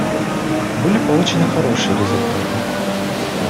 Были получены хорошие результаты.